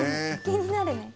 気になるね。